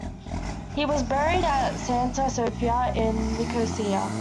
He was buried at Santa Sophia, in Nicosia.